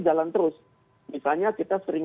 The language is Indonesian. jalan terus misalnya kita sering